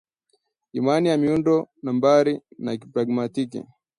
imani na miundo nambari ya kipragmatiki